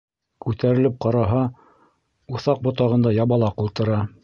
Күтәрелеп ҡараһа, уҫаҡ ботағында Ябалаҡ ултыра.